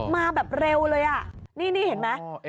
มาแบบเร็วเลยอ่ะนี่เห็นไหม